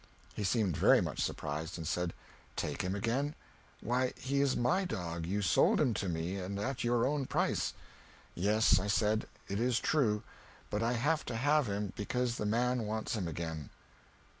He seemed very much surprised, and said, "Take him again? Why, he is my dog; you sold him to me, and at your own price." "Yes," I said, "it is true but I have to have him, because the man wants him again."